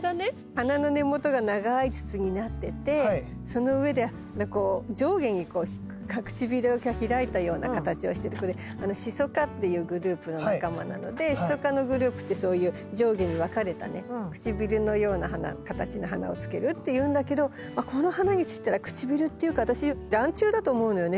花の根元が長い筒になっててその上で上下に唇が開いたような形をしててこれシソ科っていうグループの仲間なのでシソ科のグループってそういう上下に分かれたね唇のような形の花をつけるっていうんだけどこの花にしたら唇っていうか私ランチュウだと思うのよね